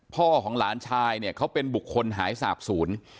พ่อของหลานชายเนี่ยเขาเป็นบุคคลหายสาบศูนย์